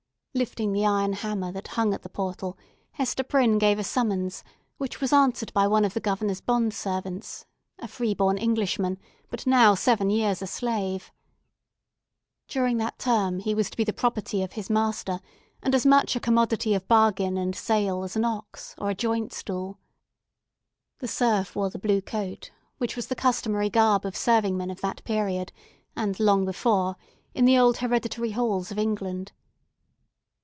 Lifting the iron hammer that hung at the portal, Hester Prynne gave a summons, which was answered by one of the Governor's bond servants—a free born Englishman, but now a seven years' slave. During that term he was to be the property of his master, and as much a commodity of bargain and sale as an ox, or a joint stool. The serf wore the customary garb of serving men at that period, and long before, in the old hereditary halls of England.